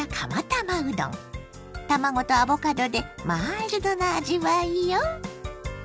卵とアボカドでマイルドな味わいよ。